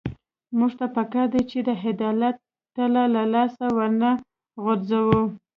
موږ ته پکار ده چې د عدالت تله له لاسه ونه غورځوو.